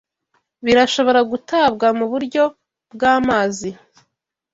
birashobora gutabwa muburyo bwamazi